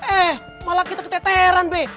eh malah kita keteteran b